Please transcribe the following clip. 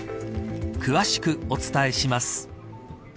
詳しくお伝えします。